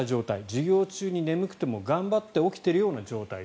授業中に眠くても頑張って起きているような状態。